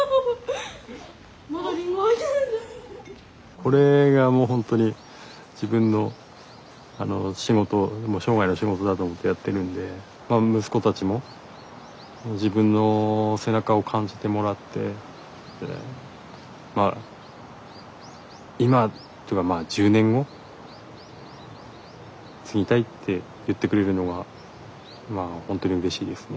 これがもうほんとに自分の仕事もう生涯の仕事だと思ってやってるんでまあ息子たちも自分の背中を感じてもらってまあ今とかまあ１０年後継ぎたいって言ってくれるのはまあほんとにうれしいですね。